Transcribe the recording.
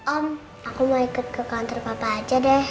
om aku mau ikut ke kantor papa aja deh